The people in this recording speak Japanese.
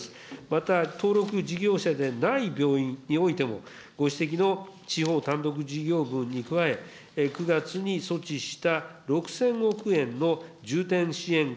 また、登録事業者でない病院においても、ご指摘の地方単独事業分に加え、９月に措置した６０００億円の重点支援